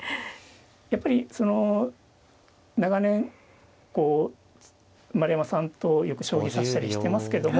やっぱりその長年丸山さんとよく将棋指したりしてますけども。